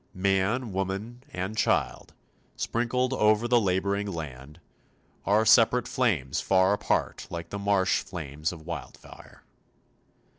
Man, woman, and child, sprinkled over the labouring land, are separate flames far apart like the marsh flames of wildfire.